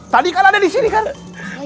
tadi kan ada di sini kan